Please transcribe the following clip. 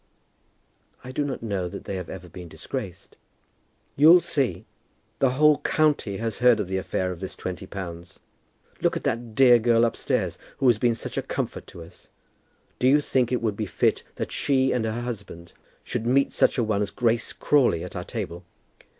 "I do not know that they have ever been disgraced." "You'll see. The whole county has heard of the affair of this twenty pounds. Look at that dear girl upstairs, who has been such a comfort to us. Do you think it would be fit that she and her husband should meet such a one as Grace Crawley at our table?"